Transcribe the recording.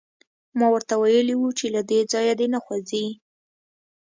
ما ورته ویلي وو چې له دې ځایه دې نه خوځي